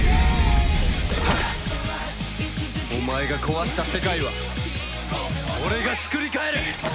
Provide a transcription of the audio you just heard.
お前が壊した世界は俺がつくり変える！